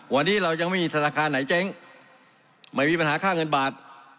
วันนี้เรายังไม่มีธนาคารไหนเจ๊งไม่มีปัญหาค่าเงินบาท